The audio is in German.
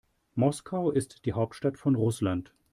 Moskau ist die Hauptstadt von Russland.